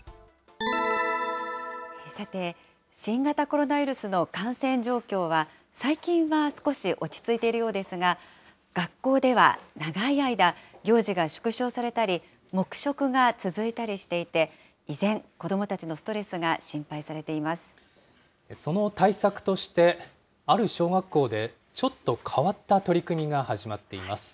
さて、新型コロナウイルスの感染状況は、最近は少し落ち着いているようですが、学校では長い間、行事が縮小されたり、黙食が続いたりしていて、依然、子どもたちのストレスが心配されていまその対策として、ある小学校でちょっと変わった取り組みが始まっています。